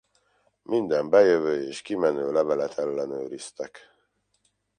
Minden bejövő és kimenő levelet ellenőriztek.